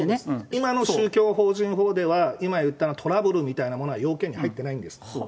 今の宗教法人法では、今言ったように、トラブルみたいなものは要件に入ってないんです。